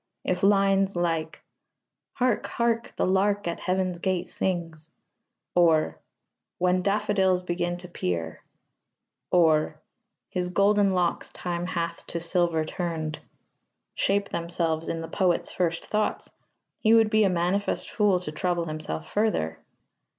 If lines like Hark, hark! the lark at Heaven's gate sings, or When daffodils begin to peer, or His golden locks time hath to silver turned, shape themselves in the poet's first thoughts, he would be a manifest fool to trouble himself further.